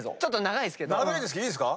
長いですけどいいですか？